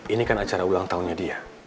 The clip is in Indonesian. ini kan acara ulang tahunnya dia